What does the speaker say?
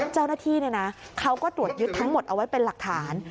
เจ้าหน้าที่เขาก็ตรวจยึดทั้งหมดเอาไว้เป็นหลักฐาน